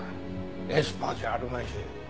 エスパーじゃあるまいし。